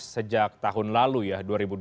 sejak tahun lalu ya